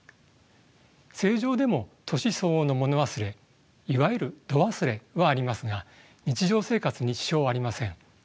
正常でも年相応のもの忘れいわゆる度忘れはありますが日常生活に支障はありません。